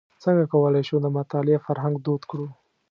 څنګه کولای شو د مطالعې فرهنګ دود کړو.